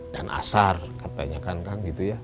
dan asar katanya kan